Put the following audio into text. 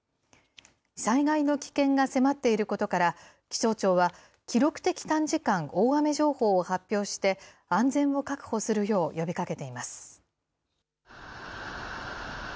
災害の危険が迫っていることから、気象庁は、記録的短時間大雨情報を発表して、安全を確保するよう呼びかけています。